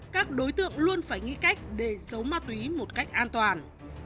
các đối tượng luôn phải nghĩ cách để giấu ma túy một cách an toàn